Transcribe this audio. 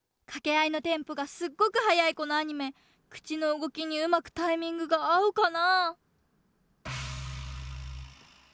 かけあいのテンポがすっごくはやいこのアニメくちのうごきにうまくタイミングがあうかな？